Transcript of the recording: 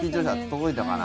届いたかな？